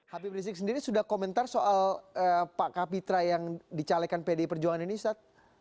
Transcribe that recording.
habib rizieq sendiri sudah komentar soal pak kapitra yang dicalekan pdip perjuangan ini stat